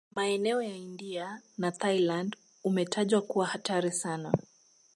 Maeneo ya India na Thailand umetajwa kuwa hatari sana